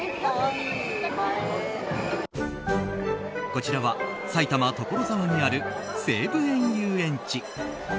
こちらは埼玉・所沢にある西武園ゆうえんち。